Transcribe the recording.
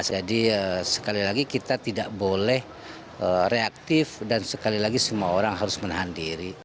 jadi sekali lagi kita tidak boleh reaktif dan sekali lagi semua orang harus menahan diri